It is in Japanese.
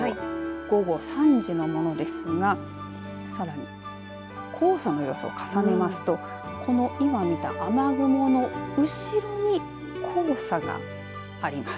午後３時のものですがさらに黄砂の予想を重ねますとこの今見た雨雲の後ろに黄砂があります。